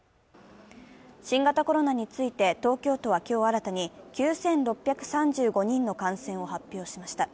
新形コロナについて、東京都は今日新たに９６３５人の感染を発表しました。